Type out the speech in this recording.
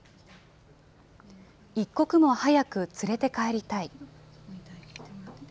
一刻も早く連れて帰りたい。